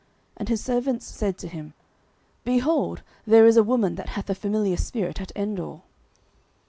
And his servants said to him, Behold, there is a woman that hath a familiar spirit at Endor.